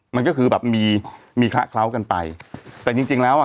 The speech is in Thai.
มันก็คือแบบมีมีคละเคล้ากันไปแต่จริงจริงแล้วอ่ะ